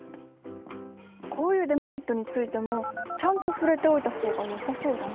こういうデメリットについてもちゃんと触れておいた方がよさそうだな。